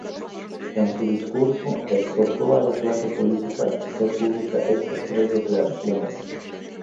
En su discurso exhortó a la clase política a hacer públicas estas tres declaraciones.